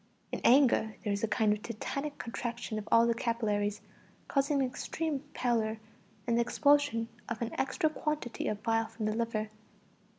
In anger there is a kind of tetanic contraction of all the capillaries, causing extreme pallor, and the expulsion of an extra quantity of bile from the liver.